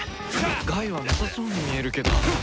害はなさそうに見えるけど。